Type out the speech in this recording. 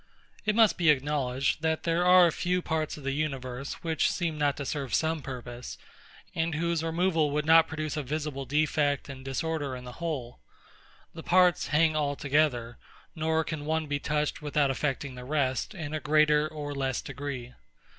It must be acknowledged, that there are few parts of the universe, which seem not to serve some purpose, and whose removal would not produce a visible defect and disorder in the whole. The parts hang all together; nor can one be touched without affecting the rest, in a greater or less degree.